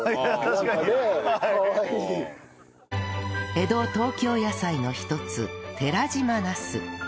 江戸東京野菜の一つ寺島ナス